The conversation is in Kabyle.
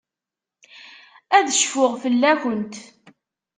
Ad cfuɣ fell-akent.